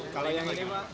kalau yang ini pak